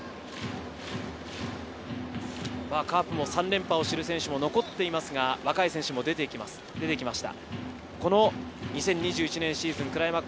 カーブも３連覇を知る選手も残っていますが、若い選手も出てきました。